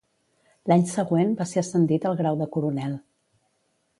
L'any següent, va ser ascendit al grau de coronel.